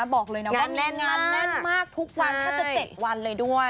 บอกเลยนะว่ามีงานแน่นมากทุกวันแทบจะ๗วันเลยด้วย